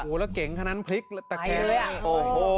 โหแล้วเก่งคะนั้นพลิกแล้วตะแคโอ้โห